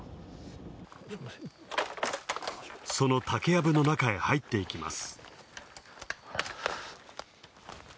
その竹やぶの中へ入っていきます。